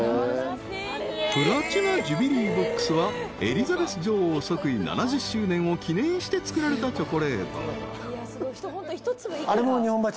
［プラチナジュビリーボックスはエリザベス女王即位７０周年を記念して作られたチョコレート］